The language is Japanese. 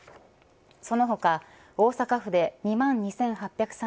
その他、大阪府で２万２８３３人